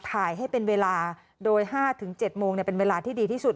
ถ่ายให้เป็นเวลาโดย๕๗โมงเป็นเวลาที่ดีที่สุด